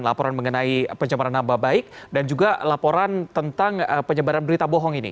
laporan mengenai pencemaran nama baik dan juga laporan tentang penyebaran berita bohong ini